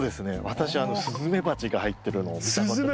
私スズメバチが入ってるのを見たことがあります。